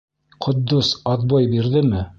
Ҡотдос отбой бирҙеме?